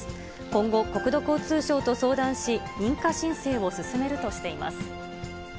今後、国土交通省と相談し、認可申請を進めるとしています。